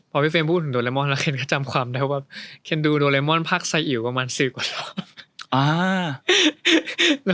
พอพี่เฟรมพูดถึงโดเรมอนแล้วเคนก็จำความได้ว่าเคนดูโดเรมอนพักไซอิ๋วประมาณ๑๐กว่ารอบ